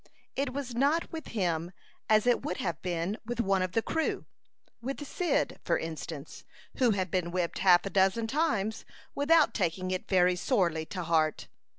It was not with him as it would have been with one of the crew with Cyd, for instance, who had been whipped half a dozen times without taking it very sorely to heart.